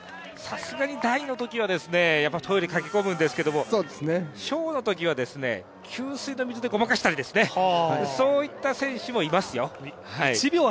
さすがに大のときはトイレに駆け込むんですけど小のときは、給水の水でごまかしたりという選手もいますよ。